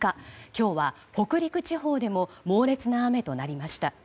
今日は、北陸地方でも猛烈な雨となりました。